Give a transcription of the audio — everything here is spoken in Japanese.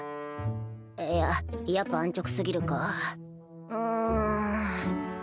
いややっぱ安直過ぎるかん。